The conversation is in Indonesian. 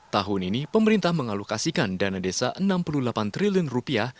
tahun ini pemerintah mengalokasikan dana desa enam puluh delapan triliun rupiah